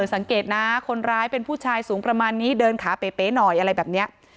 สังเกตนะคนร้ายเป็นผู้ชายสูงประมาณนี้เดินขาเป๊ะหน่อยอะไรแบบนี้